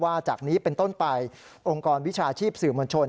จากนี้เป็นต้นไปองค์กรวิชาชีพสื่อมวลชน